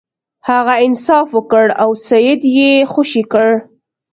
هغه انصاف وکړ او سید یې خوشې کړ.